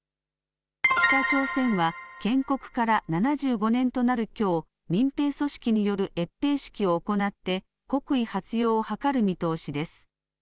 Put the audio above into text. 北朝鮮は建国から７５年となるきょう、民兵組織による閲兵式を行って、国威発揚を図る見通しです。